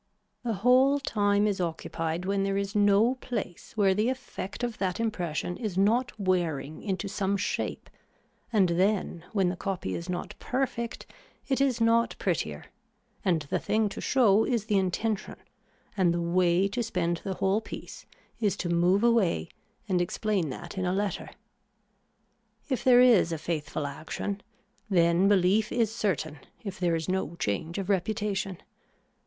The whole time is occupied when there is no place where the effect of that impression is not wearing into some shape and then when the copy is not perfect it is not prettier and the thing to show is the intention and the way to spend the whole piece is to move away and explain that in a letter. If there is a faithful action then belief is certain if there is no change of reputation.